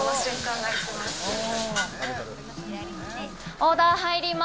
オーダー入ります。